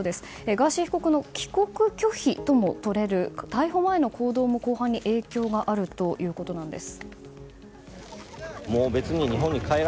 ガーシー被告の帰国拒否ともとれる逮捕前の行動も、公判に影響があるということなんです。